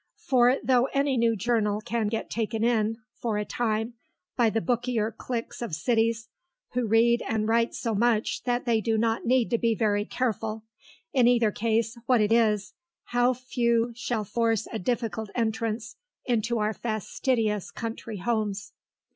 For, though any new journal can get taken in (for a time) by the bookier cliques of cities, who read and write so much that they do not need to be very careful, in either case, what it is, how few shall force a difficult entrance into our fastidious country homes.